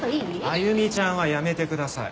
「歩ちゃん」はやめてください。